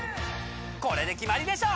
これで決まりでしょ！